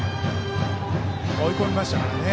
追い込みましたからね。